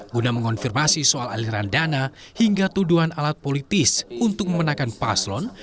guna mengonfirmasi soal aliran dana hingga tuduhan alat politis untuk memenangkan paslon